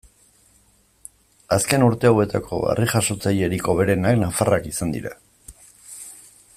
Azken urte hauetako harri-jasotzailerik hoberenak nafarrak izan dira.